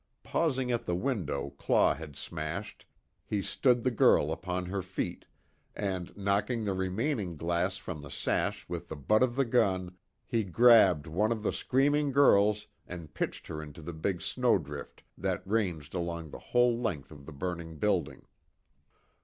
Pausing at the window Claw had smashed, he stood the girl upon her feet, and knocking the remaining glass from the sash with the butt of the gun, he grabbed one of the screaming girls and pitched her into the big snowdrift that ranged along the whole length of the burning building.